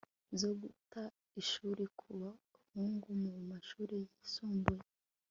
zo guta ishuri ku bahungu mu mashuri yisumbuye